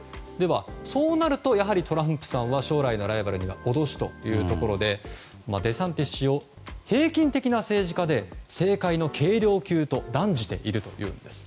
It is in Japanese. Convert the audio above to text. そうなるとトランプさんは将来のライバルに脅しというところでデサンティス氏を平均的な政治家で政界の軽量級と断じているというんです。